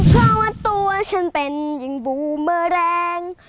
เพราะว่าตัวฉันเป็นยิ่งบูเมอร์แรง